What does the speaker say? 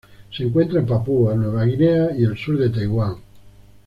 Se encuentra en Papúa Nueva Guinea y el sur de Taiwán.